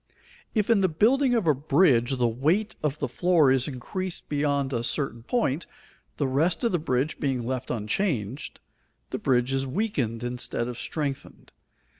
If in the building of a bridge the weight of the floor is increased beyond a certain point, the rest of the bridge being left unchanged, the bridge is weakened instead of strengthened.